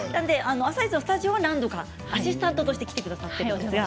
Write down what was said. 「あさイチ」のスタジオは何度かアシスタントとして来てくださっていました。